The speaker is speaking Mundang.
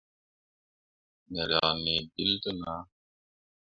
Me riak nii bill te nah.